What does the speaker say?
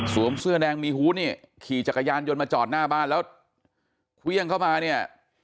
เสื้อแดงมีฮู้นี่ขี่จักรยานยนต์มาจอดหน้าบ้านแล้วเครื่องเข้ามาเนี่ย